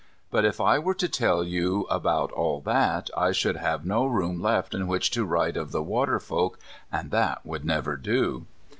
But, if I were to tell you about all that, I should have no room left in which to write of the water folk, and that would never do.